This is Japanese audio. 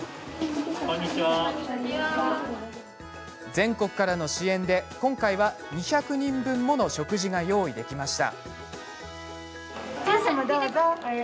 全国からの支援で今回は２００人分もの食事が用意できました。